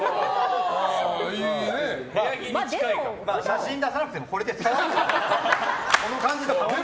写真出さなくてもこれで伝わる。